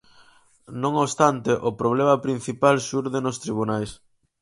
Non obstante, o problema principal xurde nos tribunais.